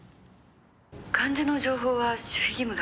「患者の情報は守秘義務が」